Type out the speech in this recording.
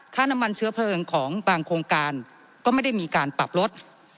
น้ำมันเชื้อเพลิงของบางโครงการก็ไม่ได้มีการปรับลด